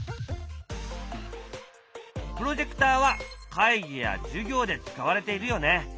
プロジェクターは会議や授業で使われているよね。